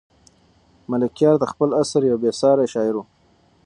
ملکیار د خپل عصر یو بې ساری شاعر و.